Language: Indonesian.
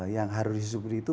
yang harus disusuri itu